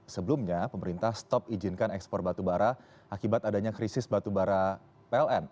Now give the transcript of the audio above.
sebelumnya pemerintah stop izinkan ekspor batubara akibat adanya krisis batubara pln